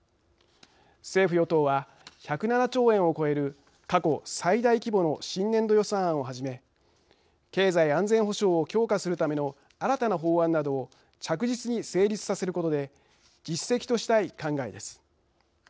政府・与党は１０７兆円を超える過去最大規模の新年度予算案をはじめ経済安全保障を強化するための新たな法案などを着実に成立させることで実績としたい考えです。